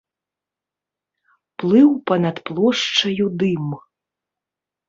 Плыў па-над плошчаю дым.